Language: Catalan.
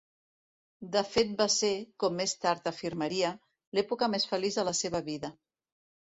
De fet va ser, com més tard afirmaria, l'època més feliç de la seva vida.